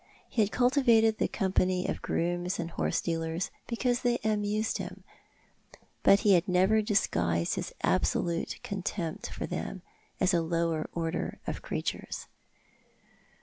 He had cultivated the company of grooms and horse dealers because they amused him; but he had never disguised his absolute contempt for them as a lower order of creatures.